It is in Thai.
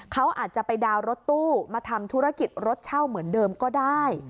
เขาอาจจะไปดาวน์รถตู้มาทำธุรกิจรถเช่าเหมือนเดิมก็ได้